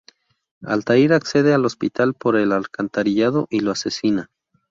Altaïr accede al hospital por el alcantarillado y lo asesina.